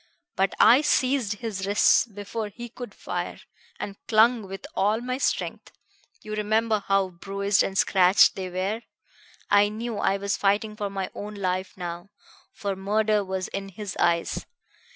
But I seized his wrists before he could fire, and clung with all my strength you remember how bruised and scratched they were. I knew I was fighting for my own life now, for murder was in his eyes.